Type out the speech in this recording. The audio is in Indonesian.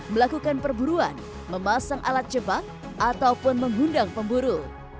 melakukan perburuan memasang alat jebak ataupun mengundang pemburu